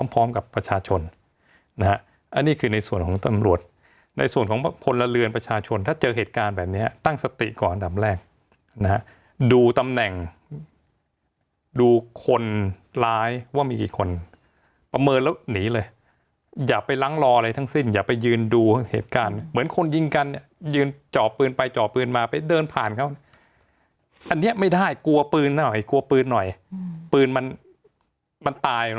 พร้อมกับประชาชนนะฮะอันนี้คือในส่วนของตำรวจในส่วนของพลเรือนประชาชนถ้าเจอเหตุการณ์แบบนี้ตั้งสติก่อนอันดับแรกนะฮะดูตำแหน่งดูคนร้ายว่ามีกี่คนประเมินแล้วหนีเลยอย่าไปล้างรออะไรทั้งสิ้นอย่าไปยืนดูเหตุการณ์เหมือนคนยิงกันเนี่ยยืนจ่อปืนไปจ่อปืนมาไปเดินผ่านเขาอันนี้ไม่ได้กลัวปืนหน่อยกลัวปืนหน่อยปืนมันมันตาย